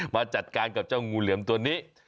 มาจัดการกับเจ้างูเหลือมตัวนี้